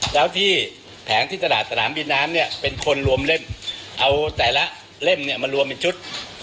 แล้วที่แผงที่ตลาดสนามบินน้ำเนี่ยเป็นคนรวมเล่มเอาแต่ละเล่มเนี่ยมารวมเป็นชุด